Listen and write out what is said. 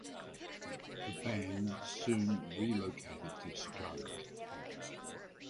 The band soon relocated to Chicago.